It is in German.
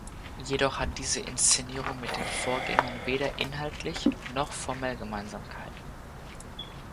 Jedoch hat diese Inszenierung mit den Vorgängern weder inhaltlich noch formell Gemeinsamkeiten.